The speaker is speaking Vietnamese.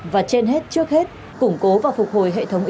và trên hết trước hết củng cố và phục hồi hệ thống ev